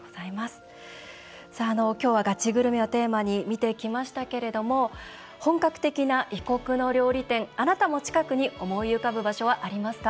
今日はガチグルメをテーマに見てきましたけれども本格的な異国の料理店あなたも近くに思い浮かぶ場所はありますか？